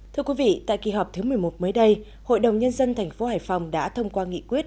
thưa quý vị tại kỳ họp thứ một mươi một mới đây hội đồng nhân dân thành phố hải phòng đã thông qua nghị quyết